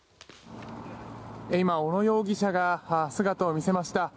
今、小野容疑者が姿を見せました。